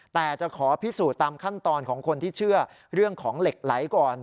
แต่จะขอพิสูจน์ตามขั้นตอนของคนที่เชื่อเรื่องของเหล็กไหลก่อน